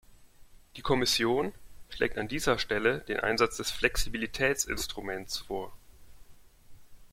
Die Kommission schlägt an dieser Stelle den Einsatz des Flexibilitätsinstruments vor.